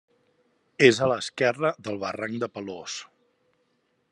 És a l'esquerra del barranc de Pelós.